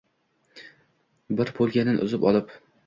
bir boʼlagin uzib olib